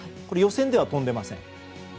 これ、予選では跳んでいません。